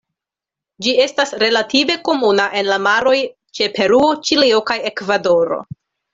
Ĝi estas relative komuna en la maroj ĉe Peruo, Ĉilio kaj Ekvadoro.